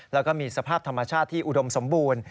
แล้วก็มีสภาพธรรมชาติที่อุดมสมบูรณ์